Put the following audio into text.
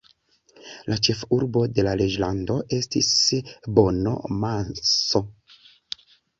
La ĉefurbo de la reĝlando estis Bono-Manso.